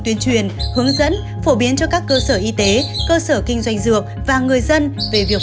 tuyên truyền hướng dẫn phổ biến cho các cơ sở y tế cơ sở kinh doanh dược và người dân về việc